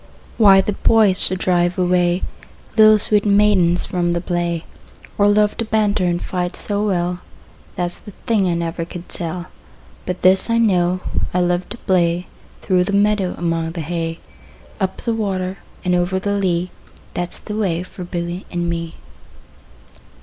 Why the boys should drive away Little sweet maidens from the play, Or love to banter and fight so well, That 's the thing I never could tell. 20 But this I know, I love to play Through the meadow, among the hay; Up the water and over the lea, That 's the way for Billy and me.